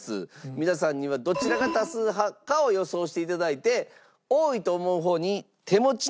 皆さんにはどちらが多数派かを予想して頂いて多いと思う方に手持ちのポイントをかけて頂きます。